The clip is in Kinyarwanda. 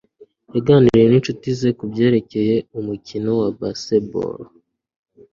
yaganiriye ninshuti ze kubyerekeye umukino wa baseball